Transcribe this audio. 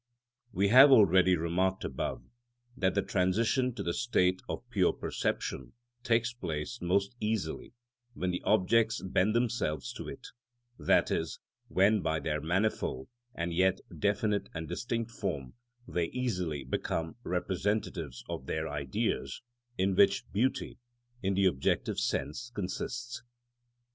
We have already remarked above that the transition to the state of pure perception takes place most easily when the objects bend themselves to it, that is, when by their manifold and yet definite and distinct form they easily become representatives of their Ideas, in which beauty, in the objective sense, consists.